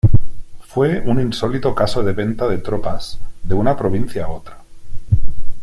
Fue un insólito caso de venta de tropas de una provincia a otra.